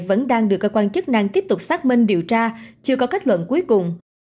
vẫn đang được cơ quan chức năng tiếp tục xác minh điều tra chưa có kết luận cuối cùng